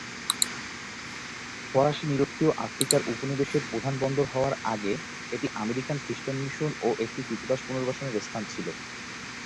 ফরাসী নিরক্ষীয় আফ্রিকার উপনিবেশের প্রধান বন্দর হওয়ার আগে এটি আমেরিকান খ্রিস্টান মিশন ও একটি ক্রীতদাস পুনর্বাসনের স্থান ছিল।